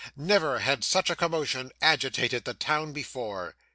Never had such a commotion agitated the town before.